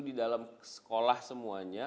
di dalam sekolah semuanya